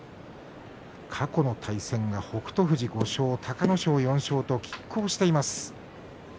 過去の対戦、北勝富士５勝隆の勝４勝と、きっ抗しています。